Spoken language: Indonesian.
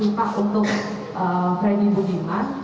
lalu informasi pak untuk freddy budiman